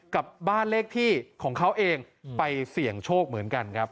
กับบ้านเลขที่ของเขาเองไปเสี่ยงโชคเหมือนกันครับ